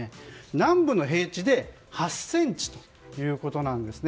南部の平地で８ｃｍということです。